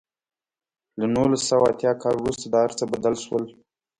له نولس سوه اتیا کال وروسته دا هر څه بدل شول.